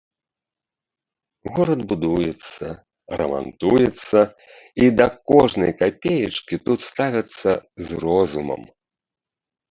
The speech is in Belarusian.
Горад будуецца, рамантуецца і да кожнай капеечкі тут ставяцца з розумам.